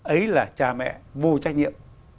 ấy là cha mẹ vô trách nhiệm